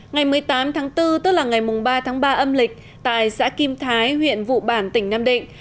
ngày một mươi tám tháng bốn tức là ngày ba tháng ba âm lịch tại xã kim thái huyện vụ bản tỉnh nam định